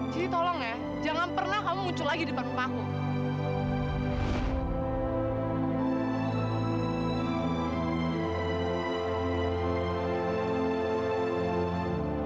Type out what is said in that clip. jadi tolong ya jangan pernah kamu muncul lagi depan rumahku